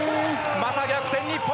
また逆転、日本！